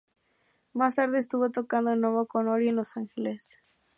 Más tarde estuvo tocando de nuevo con Ory en Los Ángeles.